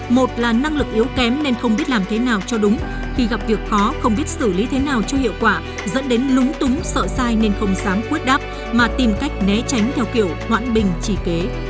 một là năng lực yếu kém nên không biết làm thế nào cho đúng khi gặp việc khó không biết xử lý thế nào cho hiệu quả dẫn đến lúng túng sợ sai nên không dám quyết đáp mà tìm cách né tránh theo kiểu hoãn bình chỉ kế